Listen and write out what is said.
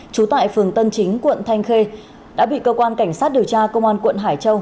trú tại phường tân chính quận thanh khê đã bị cơ quan cảnh sát điều tra công an quận hải châu